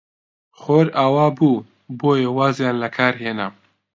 خۆر ئاوا بوو، بۆیە وازیان لە کار هێنا.